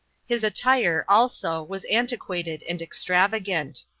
His attire also was antiquated and extravagant.